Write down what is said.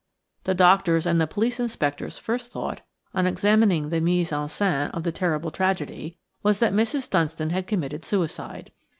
The doctor's and the police inspector's first thought, on examining the mise en scène of the terrible tragedy, was that Mrs. Dunstan had committed suicide.